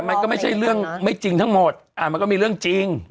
มันก็ไม่ใช่เรื่องไม่จริงทั้งหมดมันก็มีเรื่องจริง